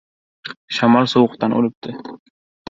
• Shamol sovuqdan o‘libdi.